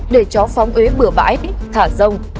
để chó phong ế bừa bãi thả rông